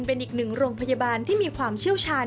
เป็นอีกหนึ่งโรงพยาบาลที่มีความเชี่ยวชาญ